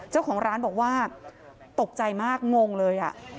เจ้าของร้านบอกว่าตกใจมากงงเลย